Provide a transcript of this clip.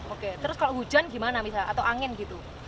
oke terus kalau hujan gimana misalnya atau angin gitu